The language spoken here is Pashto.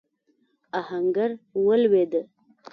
آهنګر ولوېد.